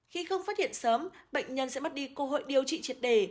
khi không phát hiện sớm bệnh nhân sẽ mất đi cơ hội điều trị triệt đề